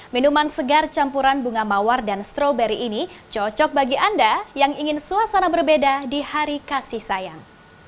minuman segar campuran bunga mawar dan stroberi ini cocok bagi anda yang ingin suasana berbeda di hari kasih sayang